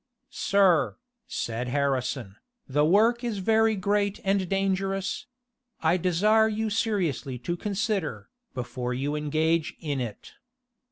"Sir," said Harrison "the work is very great and dangerous: I desire you seriously to consider, before you engage in it."